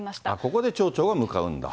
ここで町長が向かうんだ。